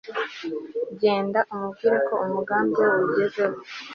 genda umubwire ko umugambi we awugezeho